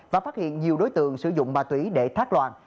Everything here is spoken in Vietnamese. và phát hiện nhiều đối tượng sử dụng ma túy để thác loan